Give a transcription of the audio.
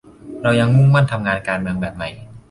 เรายังมุ่งมั่นทำงานการเมืองแบบใหม่